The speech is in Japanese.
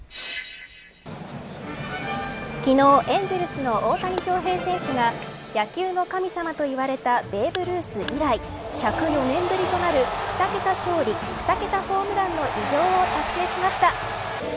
昨日、エンゼルスの大谷翔平選手が野球の神様と言われたベーブ・ルース以来１０４年ぶりとなる２桁勝利、２桁ホームランの偉業を達成しました。